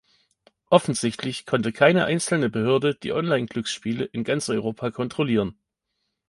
Offensichtlich könnte keine einzelne Behörde die Online-Glücksspiele in ganz Europa kontrollieren.